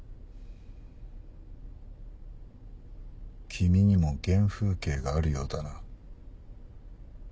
君にも原風景があるようだな。